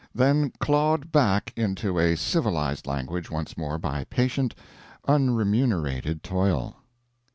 THEN CLAWED BACK INTO A CIVILIZED LANGUAGE ONCE MORE BY PATIENT, UNREMUNERATED TOIL.